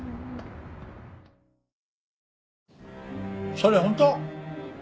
それ本当！？